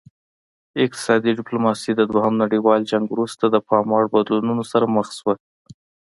اقتصادي ډیپلوماسي د دوهم نړیوال جنګ وروسته د پام وړ بدلونونو سره مخ شوه